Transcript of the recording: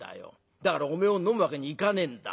だからおめえを飲むわけにいかねえんだ。